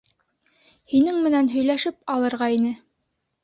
Һинең менән һөйләшеп алырға ине.